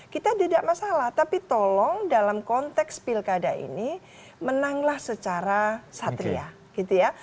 kita tidak masalah tapi tolong dalam konteks pilkada ini menanglah secara satria gitu ya